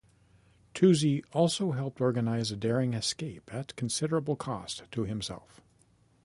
Toosey also helped organise a daring escape, at considerable cost to himself.